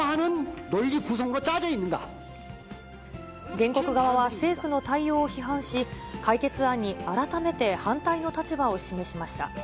原告側は、政府の対応を批判し、解決案に改めて反対の立場を示しました。